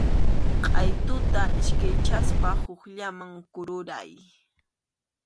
Qʼaytuta iskaychaspa hukllaman kururay.